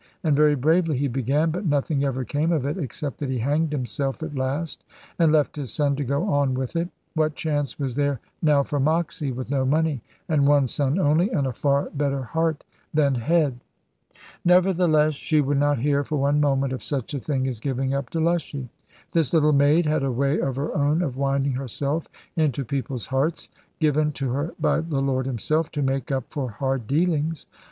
And very bravely he began, but nothing ever came of it, except that he hanged himself at last, and left his son to go on with it. What chance was there now for Moxy, with no money, and one son only, and a far better heart than head? Nevertheless she would not hear for one moment of such a thing as giving up Delushy. This little maid had a way of her own of winding herself into people's hearts, given to her by the Lord Himself, to make up for hard dealings.